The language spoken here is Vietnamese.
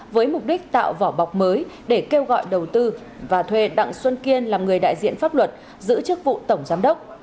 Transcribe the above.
với mục đích tạo vỏ bọc mới để kêu gọi đầu tư và thuê đặng xuân kiên làm người đại diện pháp luật giữ chức vụ tổng giám đốc